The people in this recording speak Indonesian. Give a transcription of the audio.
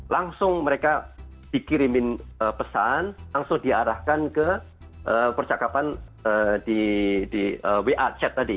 langsung mereka dikirimin pesan langsung diarahkan ke percakapan di wa chat tadi